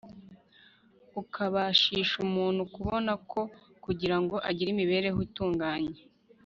ukabashisha umuntu kubona ko kugira ngo agire imibereho itunganye